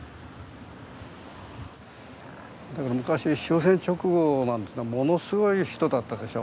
だから昔終戦直後なんていうのはものすごい人だったでしょ